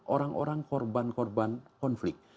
orang orang korban korban konflik